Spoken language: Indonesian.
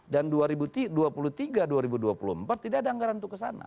dan dua ribu dua puluh tiga dua ribu dua puluh empat tidak ada anggaran untuk ke sana